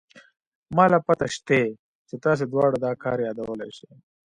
ما له پته شتې چې تاسې دواړه دا کار يادولې شې.